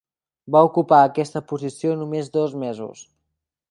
Va ocupar aquesta posició només dos mesos.